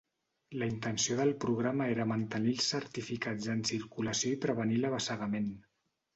La intenció del programa era mantenir els certificats en circulació i prevenir l'abassegament.